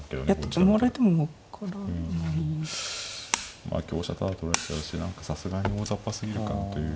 まあ香車タダで取られちゃうし何かさすがに大ざっぱすぎるかなという。